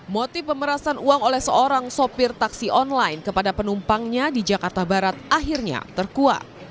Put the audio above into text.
motif pemerasan uang oleh seorang sopir taksi online kepada penumpangnya di jakarta barat akhirnya terkuat